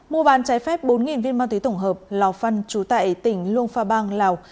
mua bán trái phép bốn viên ma túy tổng hợp lào phân chú tại tỉnh luông pha bang lào